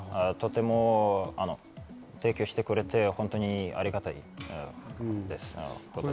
とても提供してくれて本当にありがたいです。